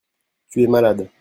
Tu es malade.